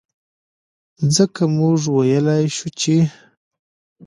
ځکه مونږ وئيلے شو چې